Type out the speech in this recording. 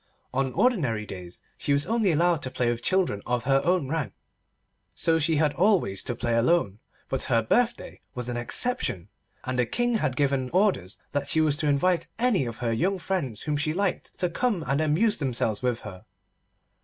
On ordinary days she was only allowed to play with children of her own rank, so she had always to play alone, but her birthday was an exception, and the King had given orders that she was to invite any of her young friends whom she liked to come and amuse themselves with her.